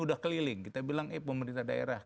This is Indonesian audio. udah keliling kita bilang eh pemerintah daerah